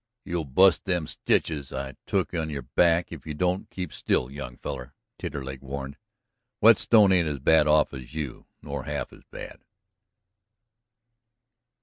"You'll bust them stitches I took in your back if you don't keep still, young feller," Taterleg warned. "Whetstone ain't as bad off as you, nor half as bad."